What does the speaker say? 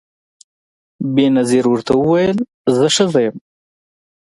بېنظیر ورته وویل زه ښځه یم